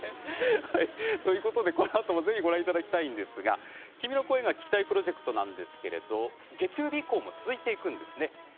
このあともご覧いただきたいんですが「君の声が聴きたい」プロジェクト月曜日以降も続いていくんですね。